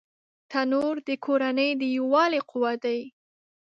تنور د کورنۍ د یووالي قوت دی